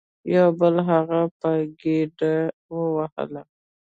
یو بل هغه په ګیډه وواهه.